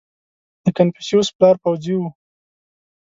• د کنفوسیوس پلار پوځي و.